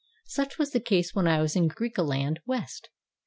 Such was the case when I was in Griqualand West.